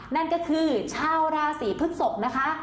นั่นก็คือชาวราศีพฤกษกนะคะ